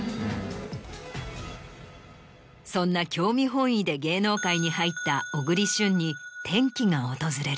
そんな興味本位で芸能界に入った小栗旬に転機が訪れる。